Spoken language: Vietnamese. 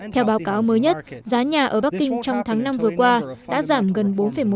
theo báo cáo mới nhất giá nhà ở bắc kinh trong tháng năm vừa qua đã giảm gần bốn một